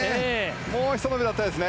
もうひと伸びが必要ですね。